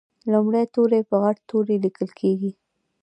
لومړی توری په غټ توري لیکل کیږي.